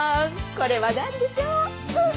これはなんでしょう？